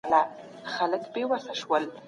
سرمایه باید په عادلانه ډول ووېشل سي.